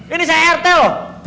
ini saya ertel